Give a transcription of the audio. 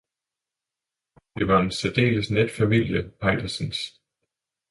Det var en særdeles net familie, Peitersens.